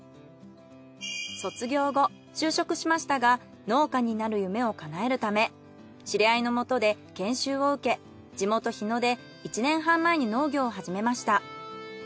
卒業後就職しましたが農家になる夢を叶えるため知り合いのもとで研修を受け地元日野で１年半前に農業を始めました。